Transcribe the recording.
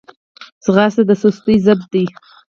منډه د سستۍ ضد ده